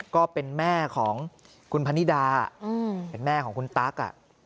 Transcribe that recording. ก็เป็นแม่ของคุณพนิดาเป็นแม่ของคุณตั๊ก